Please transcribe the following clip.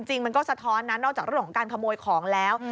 มันก็สะท้อนนะนอกจากเรื่องของการขโมยของแล้ว